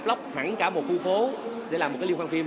block hẳn cả một khu phố để làm một cái liên hoan phim